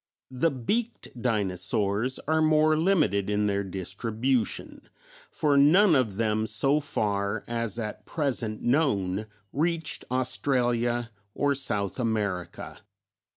The Beaked Dinosaurs are more limited in their distribution, for none of them so far as at present known reached Australia or South America.